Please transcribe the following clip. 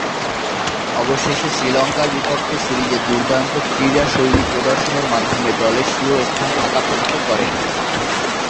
অবশেষে, শ্রীলঙ্কার বিপক্ষে সিরিজে দূর্দান্ত ক্রীড়াশৈলী প্রদর্শনের মাধ্যমে দলে স্বীয় স্থান পাকাপোক্ত করেন।